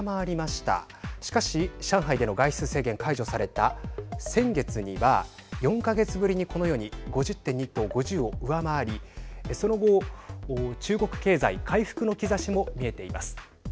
しかし上海での外出制限解除された先月には４か月ぶりにこのように５０．２と５０を上回りその後、中国経済回復の兆しも見えています。